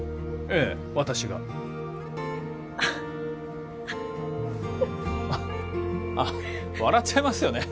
ええ私があっあっああ笑っちゃいますよね